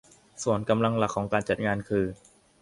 ส่วนกำลังหลักของการจัดงานคือ